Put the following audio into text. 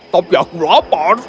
tapi aku lapar